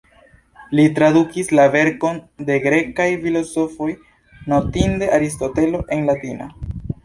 Li tradukis la verkon de grekaj filozofoj, notinde Aristotelo, en latina.